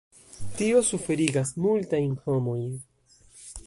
Tio suferigas multajn homojn.